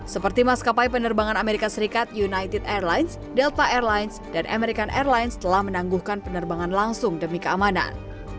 seperti maskapai penerbangan amerika serikat united airlines delta airlines dan american airlines telah menangguhkan penerbangan langsung demi keamanan